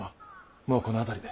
もうこの辺りで。